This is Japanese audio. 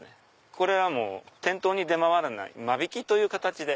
これは店頭に出回らない間引きという形で。